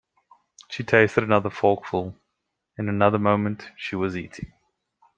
She tasted another forkful — in another moment she was eating.